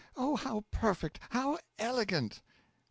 Oh, how perfect! how elegant!